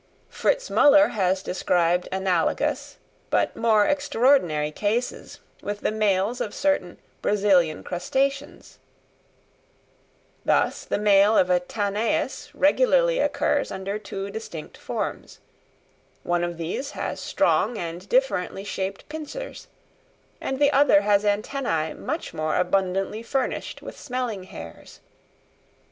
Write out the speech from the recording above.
Fritz Müller has described analogous but more extraordinary cases with the males of certain Brazilian Crustaceans: thus, the male of a Tanais regularly occurs under two distinct forms; one of these has strong and differently shaped pincers, and the other has antennæ much more abundantly furnished with smelling hairs.